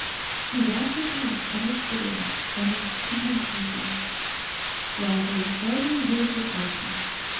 He rapped it out almost bitterly, almost contemptuously. Lawford hardly heard the question.